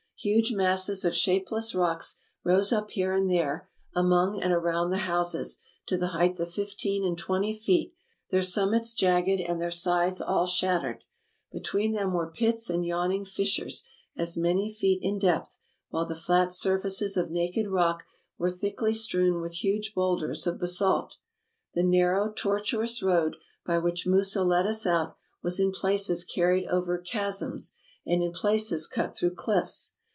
Huge masses of shapeless rocks rose up here and there, among and around the houses, to the height of fifteen and twenty feet, their summits jagged and their sides all shattered. Between them were pits and yawning fis sures, as many feet in depth ; while the flat surfaces of naked rock were thickly strewn with huge bowlders of basalt. The narrow, tortuous road by which Musa led us out was in places carried over chasms, and in places cut through cliffs.